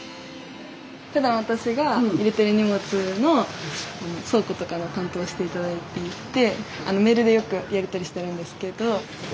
ふだん私が入れてる荷物の倉庫とかの担当をして頂いていてメールでよくやり取りしてるんですけど。